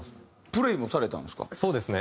プレーもされたんですか？